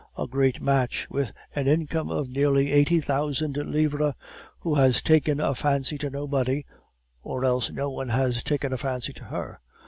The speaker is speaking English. A great match with an income of nearly eighty thousand livres, who has taken a fancy to nobody, or else no one has taken a fancy to her.